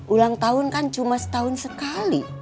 ulang tahun kan cuma setahun sekali